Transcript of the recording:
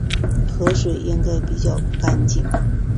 河水应该比较干净